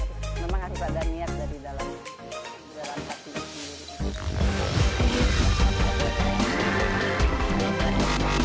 cuma kasih pada niat dari dalam hati